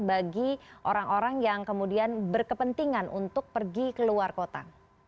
bagi orang orang yang kemudian berkepentingan untuk pergi ke luar kota